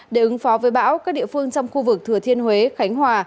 để ứng phó với bão các địa phương trong khu vực thừa thiên huế khánh hòa